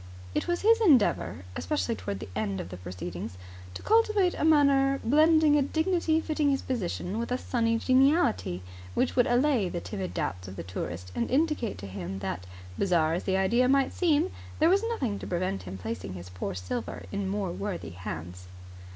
It was his endeavour, especially towards the end of the proceedings, to cultivate a manner blending a dignity fitting his position with a sunny geniality which would allay the timid doubts of the tourist and indicate to him that, bizarre as the idea might seem, there was nothing to prevent him placing his poor silver in more worthy hands.